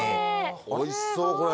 おいしそうこれ。